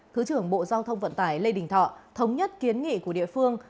thứ trưởng bộ giao thông vận tải lê đình thọ thống nhất kiến nghị của địa phương